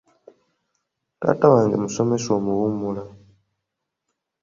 Taata wange musomesa omuwummula.